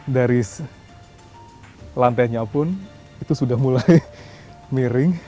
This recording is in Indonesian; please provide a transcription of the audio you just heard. dari lantainya pun itu sudah mulai miring